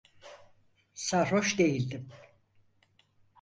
Sarhoş değildim.